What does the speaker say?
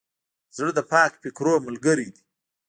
زړه د پاک فکرونو ملګری دی.